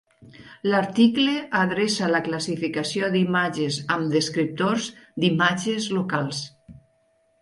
L'article adreça la classificació d'imatges amb descriptors d'imatges locals.